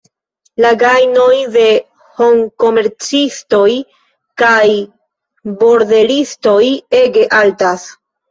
La gajnoj de homkomercistoj kaj bordelistoj ege altas.